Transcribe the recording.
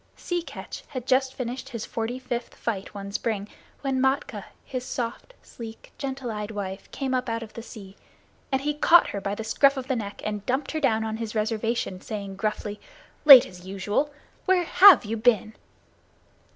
Sea Catch had just finished his forty fifth fight one spring when Matkah, his soft, sleek, gentle eyed wife, came up out of the sea, and he caught her by the scruff of the neck and dumped her down on his reservation, saying gruffly: "Late as usual. Where have you been?"